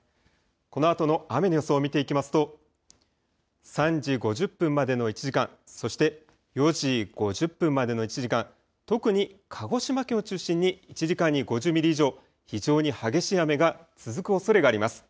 このあとの雨の予想を見ていきますと３時５０分までの１時間、そして４時５０分までの１時間、特に鹿児島県を中心に１時間に５０ミリ以上、非常に激しい雨が続くおそれがあります。